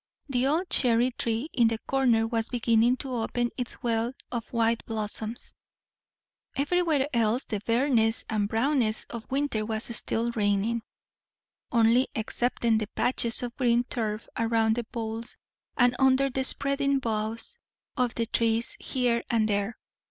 The old cherry tree in the corner was beginning to open its wealth of white blossoms; everywhere else the bareness and brownness of winter was still reigning, only excepting the patches of green turf around the boles and under the spreading boughs of the trees here and there.